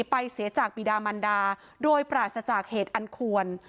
ไปเสียจากปีดามันดาโดยปราศจากเหตุอันควร